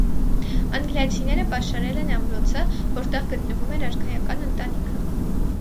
Անգլիացինները պաշարել են ամրոցը, որտեղ գտնվում էր արքայական ընտանիքը։